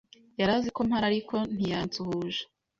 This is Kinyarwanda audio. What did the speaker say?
Yari azi ko mpari ariko ntiyansuhuje.